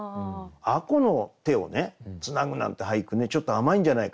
吾子の手をつなぐなんて俳句ねちょっと甘いんじゃないか。